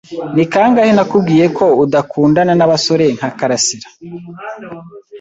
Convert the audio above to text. Ni kangahe nakubwiye ko udakundana n'abasore nka karasira?